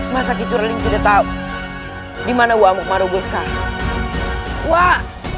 masa kicuraling tidak tahu di mana wak mukmarugul sekarang wah